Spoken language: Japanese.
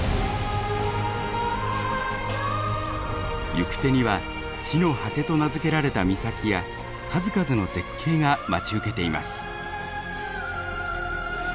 行く手には地の果てと名付けられた岬や数々の絶景が待ち受けています。